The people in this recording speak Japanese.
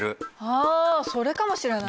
あそれかもしれない。